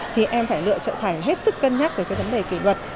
thì em phải lựa chọn phải hết sức cân nhắc về vấn đề kỷ luật